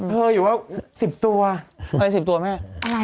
เธออยู่ว่า๑๐ตัวอะไร๑๐ตัวแม่อะไร